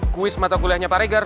kuis matahuluh kuliahnya pak regar